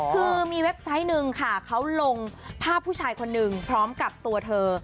คือมีเว็บไซต์หนึ่งค่ะเขาลงภาพผู้ชายคนหนึ่งพร้อมกับตัวเธอ